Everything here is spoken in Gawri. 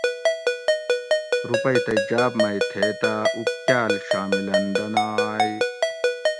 رُوپئی تئی جاۤب مئی تھیتاۤ اُوکاۤل شامِ لندنائے